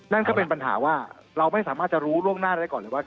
นั่นก็เป็นปัญหาว่าเราไม่สามารถจะรู้ล่วงหน้าได้ก่อนเลยว่า